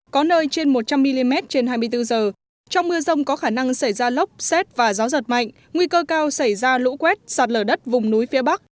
có nơi trên một trăm linh mm trên hai mươi bốn h trong mưa rông có khả năng xảy ra lốc xét và gió giật mạnh nguy cơ cao xảy ra lũ quét sạt lở đất vùng núi phía bắc